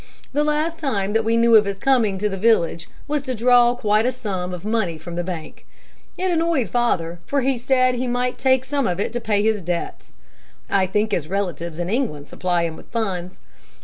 The last time that we knew of his coming to the village was to draw quite a sum of money from the bank. It annoyed father, for he said he might take some of it to pay his debts. I think his relatives in England supply him with funds.